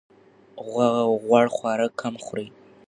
غوړ خواړه کم وخورئ.